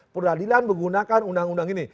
peradilan menggunakan undang undang ini